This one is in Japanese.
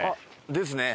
ですね。